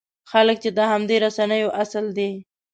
خلک چې د همدې رسنیو اصل دی.